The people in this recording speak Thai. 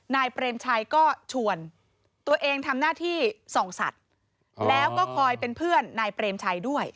นายเปรมชัยก็ชวนตัวเองทำหน้าที่ส่องสัตว์แล้วก็คอยเป็นเพื่อนนายเปรมชัยด้วย